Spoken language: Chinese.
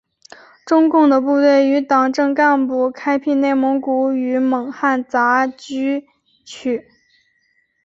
中共的部队与党政干部开辟内蒙古与蒙汉杂居区。